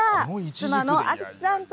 妻の秋津さんと。